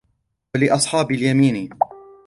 لِأَصْحَابِ الْيَمِينِ